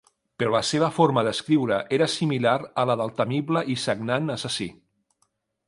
Però la seva forma d'escriure era similar a la del temible i sagnant assassí.